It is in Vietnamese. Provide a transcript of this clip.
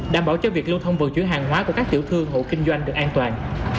đảm bảo cho việc lưu thông vận chuyển hàng hóa của các tiểu thương hữu kinh doanh được an toàn